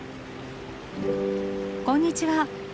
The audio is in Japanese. こんにちは。